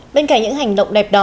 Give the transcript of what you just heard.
bên cạnh những hành động đẹp đó